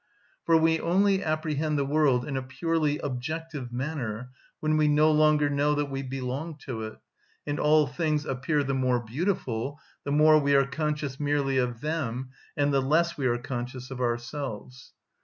For we only apprehend the world in a purely objective manner when we no longer know that we belong to it; and all things appear the more beautiful the more we are conscious merely of them and the less we are conscious of ourselves.